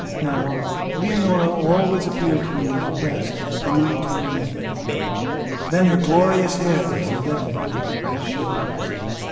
No, Leonora always appeared to me at her best in a blue tailor made. Then her glorious hair wasn't deadened by her white shoulders.